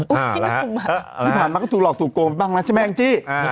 พี่ผ่านมาก็ถูกหลอกถูกโกงไปบ้างนะใช่ไหมอังจิ